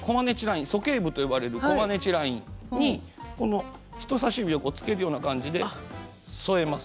そけい部と呼ばれるコマネチラインにこの人さし指を付けるような感じで添えます。